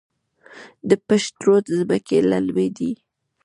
د پشت رود ځمکې للمي دي